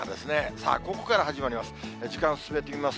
さあ、ここから始まります。